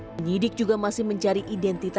penyidik juga masih mencari identitas